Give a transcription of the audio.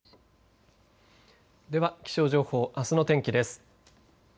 では、気象情報あすの天気です。